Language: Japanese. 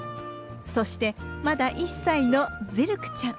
そしてまだ１歳のズィルクちゃん。